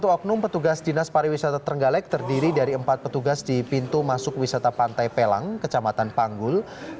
satu oknum petugas dinas pariwisata trenggalek terdiri dari empat petugas di pintu masuk wisata pantai pelang kecamatan panggul